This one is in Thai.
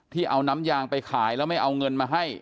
เอาน้ำยางไปขายแล้วไม่เอาเงินมาให้